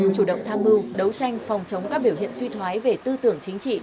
chủ động tham mưu đấu tranh phòng chống các biểu hiện suy thoái về tư tưởng chính trị